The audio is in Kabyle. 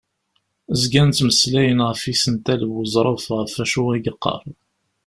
Zgan ttmeslayen ɣef yisental n uẓref ɣef wacu i yeqqar.